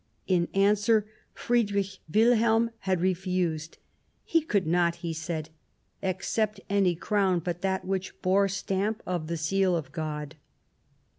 In answer, Friedrich Wilhelm had refused ; he could not, he said, " accept any crown but that which bore stamp of the seal of God."